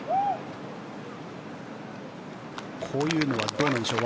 こういうのはどうなんでしょう。